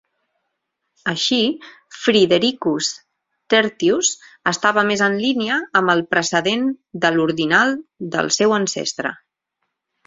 Així, "Fridericus tertius" estava més en línia amb el precedent de l'ordinal del seu ancestre.